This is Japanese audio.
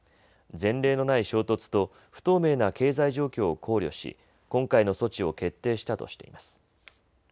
前例のない衝突と不透明な経済状況を考慮し今回の措置を決定したとしています。